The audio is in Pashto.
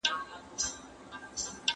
له کاڼه څخه لار ورکه له شنوا څخه لار ورکه